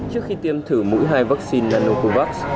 trước khi tiêm thử mũi hai vaccine nanocovax